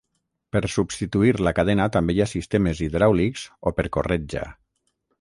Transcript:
Per substituir la cadena també hi ha sistemes hidràulics o per corretja.